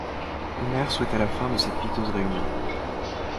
Omer souhaita la fin de cette piteuse réunion.